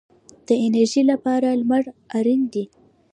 د انرژۍ لپاره لمر اړین دی